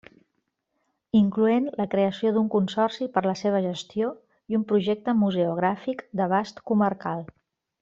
Incloent la creació d’un consorci per la seva gestió i un projecte museogràfic d’abast comarcal.